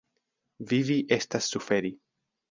Vivi estas suferi.